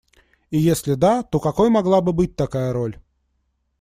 И если да, то какой могла бы быть такая роль?